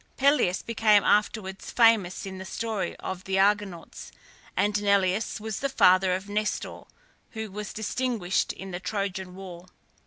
Pelias became afterwards famous in the story of the Argonauts, and Neleus was the father of Nestor, who was distinguished in the Trojan War.